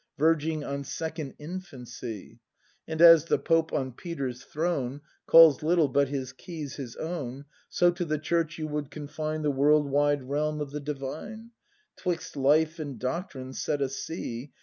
Verging on second infancy. And as the Pope on Peter's throne Calls little but his keys his own. So to the Church you would confine The world wide realm of the Divine; 'Twixt Life and Doctrine set a sea.